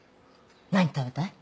何食べたい？